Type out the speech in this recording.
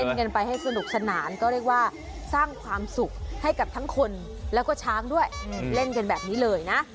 กันไปให้สนุกสนานก็เรียกว่าสร้างความสุขให้กับทั้งคนแล้วก็ช้างด้วยเล่นกันแบบนี้เลยนะ